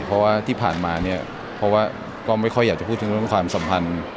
เพราะว่าที่ผ่านมาเนี่ยเพราะว่าก็ไม่ค่อยอยากจะพูดถึงเรื่องความสัมพันธ์